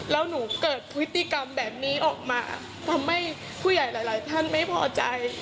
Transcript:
แล้วหนูเกิดพฤติกรรมแบบนี้ออกมาทำให้ผู้ใหญ่หลายท่านไม่พอใจ